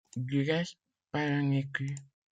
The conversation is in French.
Du reste, pas un écu.